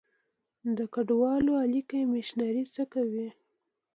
د کډوالو عالي کمیشنري څه کوي؟